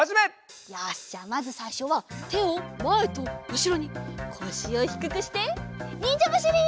よしじゃあまずさいしょはてをまえとうしろにこしをひくくしてにんじゃばしり！